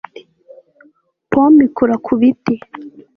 pome ikura ku biti